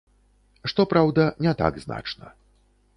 Што праўда, не так значна.